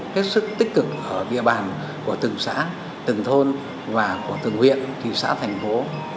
hết sức tích cực ở địa bàn của từng xã từng thôn và của từng huyện thị xã thành phố